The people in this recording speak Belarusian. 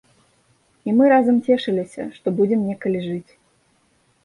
І мы разам цешыліся, што будзем некалі жыць.